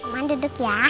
mama duduk ya